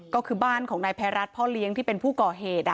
ก็คือบ้านของนายภัยรัฐพ่อเลี้ยงที่เป็นผู้ก่อเหตุ